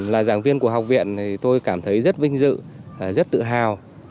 là giảng viên của học viện thì tôi cảm thấy rất vinh dự rất tự hào